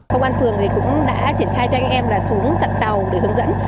công an phường cũng đã triển khai cho anh em xuống tặng tàu để hướng dẫn